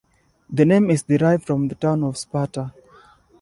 The name is derived from the Town of Sparta.